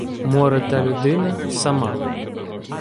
Море та людина – сама